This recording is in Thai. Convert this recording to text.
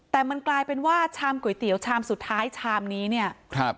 แต่มันกลายเป็นว่าชามก๋วยเตี๋ยวชามสุดท้ายชามนี้เนี่ยครับ